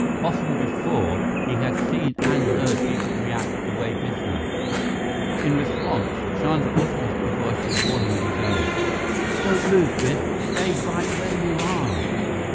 Often before, he had seen and heard people react the way Biff had. In response, Chandra automatically voiced a warning of his own: "Don't move, Biff! Stay right where you are!"